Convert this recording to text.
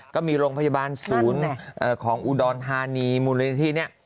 ก็มีโรงพยาบาลศูนย์ของอุดรธานีมูลนิธิเนี่ย